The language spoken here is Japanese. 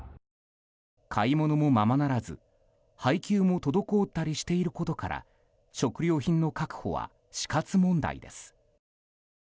買い物もままならず、配球も滞ったりしていることから食料品の確保は死活問題です。